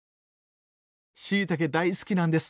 しいたけ大好きなんです。